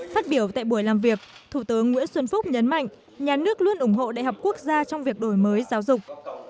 phát biểu tại buổi làm việc thủ tướng nguyễn xuân phúc nhấn mạnh nhà nước luôn ủng hộ đại học quốc gia trong việc đổi mới giáo dục